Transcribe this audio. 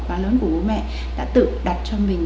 quá lớn của bố mẹ đã tự đặt cho mình